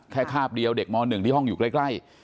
คาบเดียวเด็กม๑ที่ห้องอยู่ใกล้